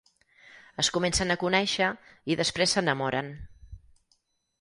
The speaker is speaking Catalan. Es comencen a conèixer, i després s'enamoren.